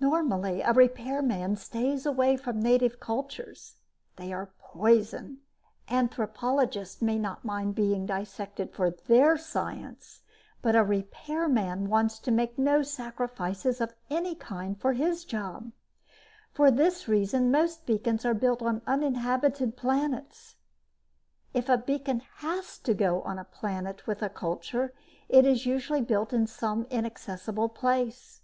Normally, a repairman stays away from native cultures. They are poison. Anthropologists may not mind being dissected for their science, but a repairman wants to make no sacrifices of any kind for his job. For this reason, most beacons are built on uninhabited planets. If a beacon has to go on a planet with a culture, it is usually built in some inaccessible place.